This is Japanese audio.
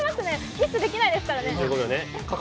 ミスできないですからね。